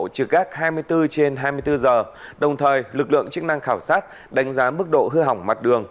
trừ các hai mươi bốn h trên hai mươi bốn h đồng thời lực lượng chức năng khảo sát đánh giá mức độ hư hỏng mặt đường